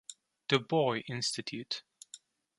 Du Bois Institute.